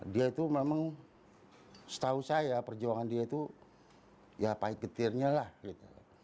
dia itu memang setahu saya perjuangan dia itu ya pahit getirnya lah gitu